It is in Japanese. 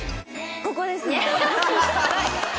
ここです。